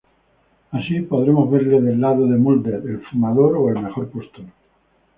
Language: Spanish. Así, podremos verle del lado de Mulder, el Fumador o el mejor postor.